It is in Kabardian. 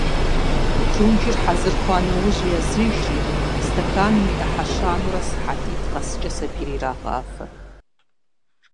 Прунжыр хьэзыр хъуа нэужь языжри, стэканым и Ӏыхьэ щанэурэ сыхьэтитӀ къэскӀэ сабийр ирагъафэ.